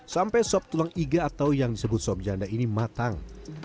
sampai sop tulang iga atau yang disebut sop janda ini matang